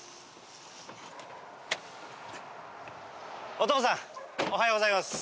お父さんおはようございます。